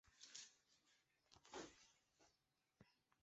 后由吴棐彝接任。